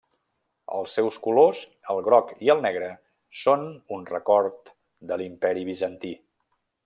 Els seus colors, el groc i el negre són un record de l'imperi Bizantí.